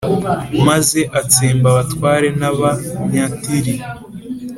maze atsemba abatware b’Abanyatiri,